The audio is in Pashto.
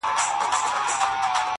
د اختر سهار ته مي _